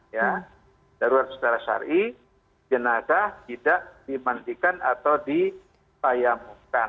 ya darurat secara syarih jenasa tidak dimandikan atau dipayamungkan